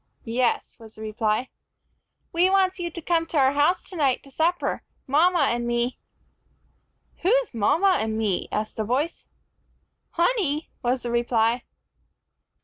"Yes," was the reply. "We wants you to come to our house tonight to supper, mama and me." "Who's mama and me?" asked the voice. "Honey," was the reply.